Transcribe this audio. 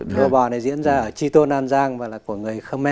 chùa bò này diễn ra ở chi tôn an giang và là của người khmer